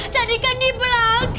tadi kan di belakang